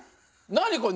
何これ？